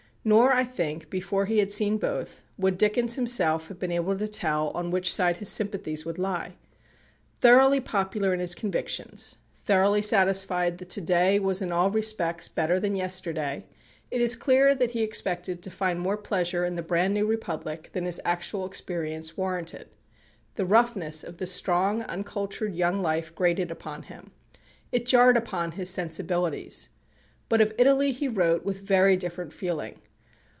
Nor, I think, before he had seen both, would Dickens himself have been able to tell on which side his sympathies would lie. Thoroughly popular in his convictions, thoroughly satisfied that to day was in all respects better than yesterday, it is clear that he expected to find more pleasure in the brand new Republic than his actual experience warranted. The roughness of the strong, uncultured young life grated upon him. It jarred upon his sensibilities. But of Italy he wrote with very different feeling.